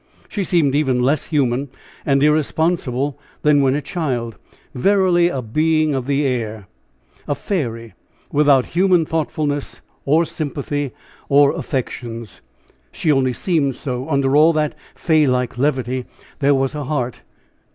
She seemed even less human and irresponsible than when a child verily a being of the air, a fairy, without human thoughtfulness, or sympathy, or affections! She only seemed so under all that fay like levity there was a heart.